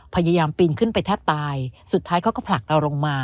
พยายามปีนขึ้นไปแทบตายสุดท้ายเขาก็ผลักเราลงมา